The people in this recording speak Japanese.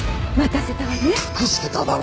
隠してただろ！